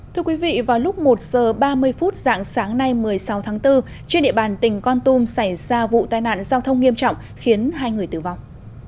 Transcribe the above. thưa quý vị vào lúc một giờ ba mươi phút dạng sáng nay một mươi sáu tháng bốn trên địa bàn tỉnh con tum xảy ra vụ tai nạn giao thông nghiêm trọng khiến hai người tử vong